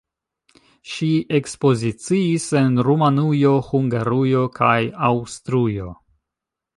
Ŝi ekspoziciis en Rumanujo, Hungarujo kaj Aŭstrujo.